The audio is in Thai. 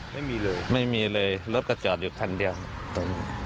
ไม่มีเลยไม่มีเลยรถก็จอดอยู่คันเดียวตอนนี้